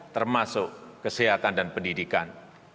termasuk kesehatan dan pendidikan